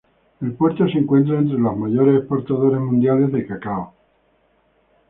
El puerto se encuentra entre los mayores exportadores mundiales de cacao.